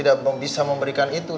dan saya tidak bisa memberikan itu